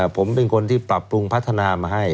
ผมเป็นคนที่ปรับปรุงพัฒนามาให้